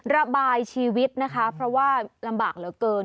ระบายชีวิตนะคะเพราะว่าลำบากเหลือเกิน